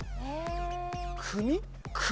「組」？